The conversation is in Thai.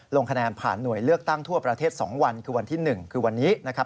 ลงคะแนนผ่านหน่วยเลือกตั้งทั่วประเทศ๒วันคือวันที่๑คือวันนี้นะครับ